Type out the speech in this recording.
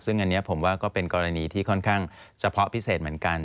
ซึ่งอันนี้ผมว่าก็เป็นกรณีที่ค่อนข้างเฉพาะพิเศษเหมือนกัน